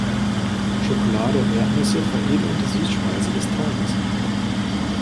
Schokolade und Erdnüsse veredeln die Süßspeise des Tages.